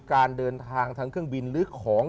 การเดินทางทั้งเครื่องบินหรือของ